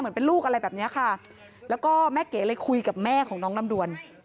เป็นลูกอะไรแบบเนี้ยค่ะแล้วก็แม่เก๋เลยคุยกับแม่ของน้องลำดวน